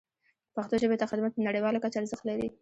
پښتو ژبې ته خدمت په نړیواله کچه ارزښت لري.